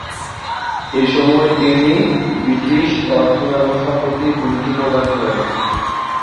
এসময় তিনি ব্রিটিশ অর্থ ব্যবস্থার প্রতি হুমকি প্রদান করেন।